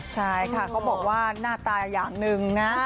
ใช่ค่ะเขาบอกว่าหน้าตาอย่างหนึ่งนะ